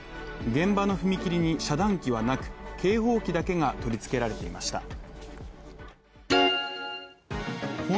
現場の踏切に遮断機はなく、警報機だけが取り付けられていました。